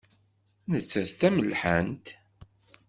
Nettat d tamelḥant.